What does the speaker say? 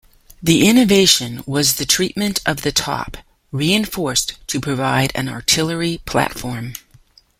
The innovation was the treatment of the top, reinforced to provide an artillery platform.